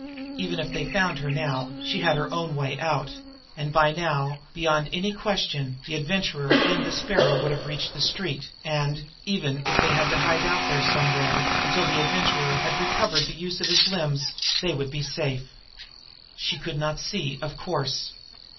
Even if they found her now, she had her own way out; and by now, beyond any question, the Adventurer and the Sparrow would have reached the street, and, even if they had to hide out there somewhere until the Adventurer had recovered the use of his limbs, they would be safe. She could not see, of course.